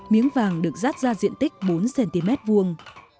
miếng vàng được rát ra diện tích bốn cm vuông